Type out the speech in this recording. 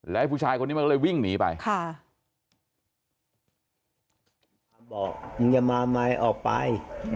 และผู้ชายคนนี้มันก็เลยวิ่งหนีไป